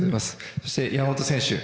そして、山本選手。